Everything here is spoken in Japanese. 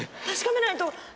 確かめないと。